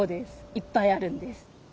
いっぱいあるんです。